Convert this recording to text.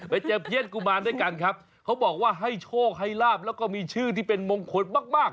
ไปเจอเพี้ยนกุมารด้วยกันครับเขาบอกว่าให้โชคให้ลาบแล้วก็มีชื่อที่เป็นมงคลมากมาก